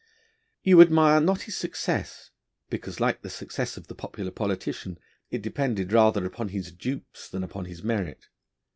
You admire not his success, because, like the success of the popular politician, it depended rather upon his dupes than upon his merit.